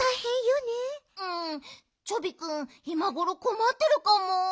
うんチョビくんいまごろこまってるかも。